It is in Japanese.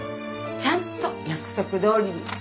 ちゃんと約束どおりに。